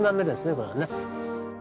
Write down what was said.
これはね。